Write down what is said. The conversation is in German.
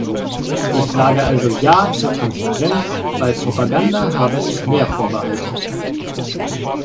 Ich sage also Ja zur Transparenz, bei Propaganda habe ich mehr Vorbehalte.